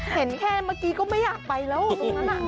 เห็นแค่เมื่อกี้ก็ไม่อยากไปแล้ว